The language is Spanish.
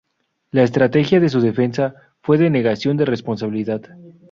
La estrategia de su defensa fue de negación de responsabilidad.